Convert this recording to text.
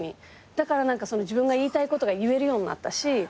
だから自分が言いたいことが言えるようになったし。